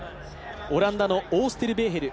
オランダのオーステルベーヘル。